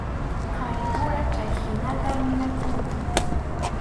Qharipura chayhinata ninakunku.